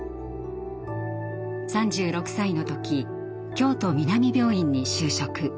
３６歳の時京都南病院に就職。